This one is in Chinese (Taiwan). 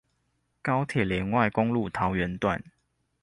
高鐵聯外公路桃園段